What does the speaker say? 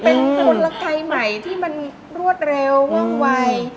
เป็นกลไกใหม่ที่มันรวดเร็วว่องวัย